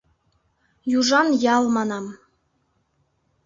— Южан ял, манам.